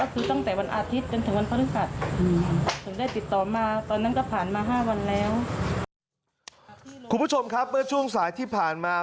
คุณผู้ชมครับเมื่อช่วงสายที่ผ่านมา